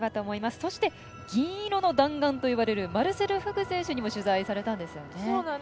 そして銀色の弾丸と呼ばれるマルセル・フグ選手にも取材されたんですよね。